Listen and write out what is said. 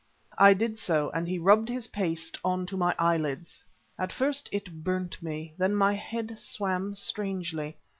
I did so, and he rubbed his paste on to my eyelids. At first it burnt me, then my head swam strangely.